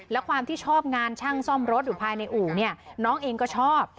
และความที่ชอบงานช่างซ่อมรถอยู่ภายในอู่เนี่ยน้องเองก็ชอบ